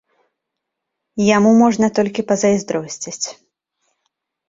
Яму можна толькі пазайздросціць.